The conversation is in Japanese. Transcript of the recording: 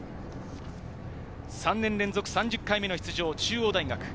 ３年連続３０回目の出場、中央大学。